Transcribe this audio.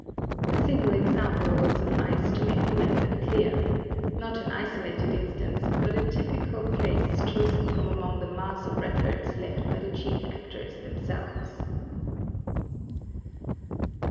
A single example will suffice to make the method clear: not an isolated instance but a typical case chosen from among the mass of records left by the chief actors themselves.